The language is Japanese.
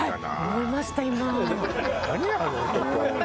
思いました今。